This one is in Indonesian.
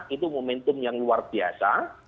itu momentum yang luar biasa